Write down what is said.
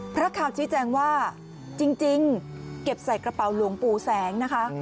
ข่าวชี้แจงว่าจริงเก็บใส่กระเป๋าหลวงปู่แสงนะคะ